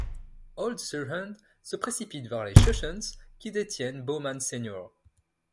Old Surehand se précipite vers les Shoshones qui détiennent Baumann Sr.